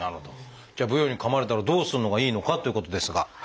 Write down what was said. じゃあブヨにかまれたらどうするのがいいのかということですが。